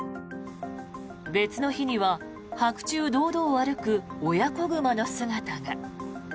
別の日には白昼堂々歩く親子熊の姿が。